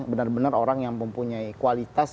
benar benar orang yang mempunyai kualitas